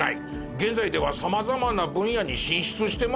現在では様々な分野に進出してますよね。